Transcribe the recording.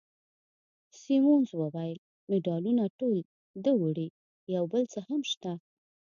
سیمونز وویل: مډالونه ټول ده وړي، یو بل څه هم شته.